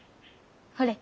ほれ。